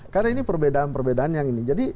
karena ini perbedaan perbedaan yang ini